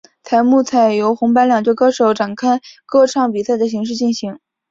节目采由红白两队歌手展开歌唱比赛的形式进行。